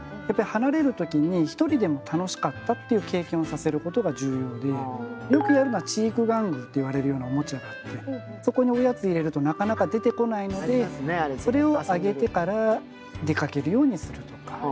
やっぱり離れる時に一人でも楽しかったっていう経験をさせることが重要でよくやるのは知育玩具といわれるようなおもちゃがあってそこにおやつを入れるとなかなか出てこないのでそれをあげてから出かけるようにするとか。